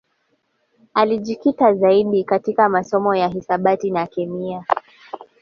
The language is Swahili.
Alijikita zaidi katika masomo ya hisabati na kemia